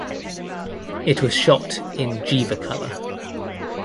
It was shot in Gevacolor.